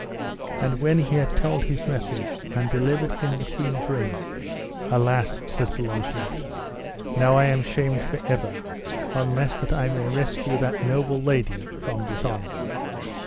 And when he had told his message, and delivered him the queen's ring: Alas, said Sir Launcelot, now I am shamed for ever, unless that I may rescue that noble lady from dishonour.